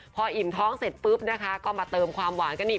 พออิ่มท้องเสร็จปุ๊บนะคะก็มาเติมความหวานกันอีก